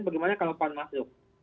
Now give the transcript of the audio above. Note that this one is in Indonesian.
bagaimana kalau pak masluk